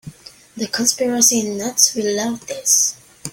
The conspiracy nuts will love this.